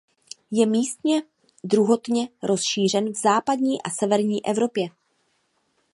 Je místně druhotně rozšířen v západní a severní Evropě.